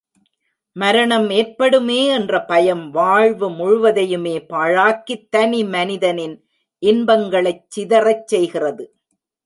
மரணம் ஏற்படுமே என்ற பயம் வாழ்வு முழுவதையுமே பாழாக்கித் தனி மனிதனின் இன்பங்களைச் சிதறச் செய்கிறது.